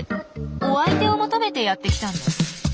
お相手を求めてやって来たんです。